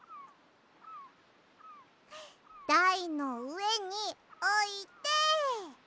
だいのうえにおいて。